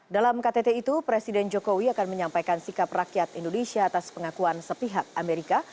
dalam ktt itu presiden jokowi akan menyampaikan sikap rakyat indonesia atas pengakuan sepihak amerika